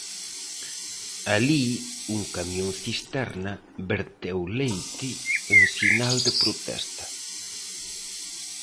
Alí un camión cisterna verteu leite en sinal de protesta.